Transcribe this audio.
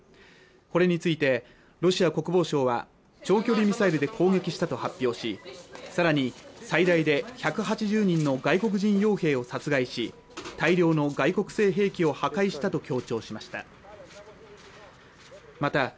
これについてロシア国防省は長距離ミサイルで攻撃したと発表しさらに最大で１８０人の外国人傭兵を殺害し大量の外国製兵器を破壊したと強調しました